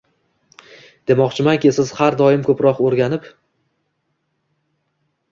Demoqchimanki siz har doim ko’proq o’rganib